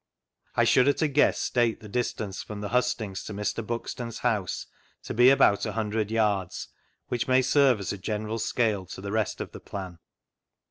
I should, at a guess, state the dis tance from the hustings to Mr. Buxton's house to be about a hundred yards, which may servef as a general scale to the rest of the plan.